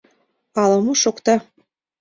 — Ала-мо шокта...